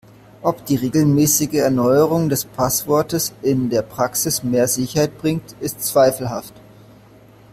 Ob die regelmäßige Erneuerung des Passwortes in der Praxis mehr Sicherheit bringt, ist zweifelhaft.